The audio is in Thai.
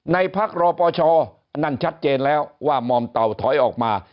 ในภักรปชนั่นชัดเจนแล้วว่ามอมเต่าถอยออกมา